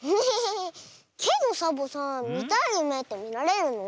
けどサボさんみたいゆめってみられるの？